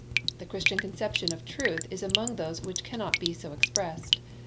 The Christian conception of truth is among those which cannot be so expressed.